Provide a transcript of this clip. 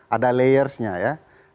ada layersnya ya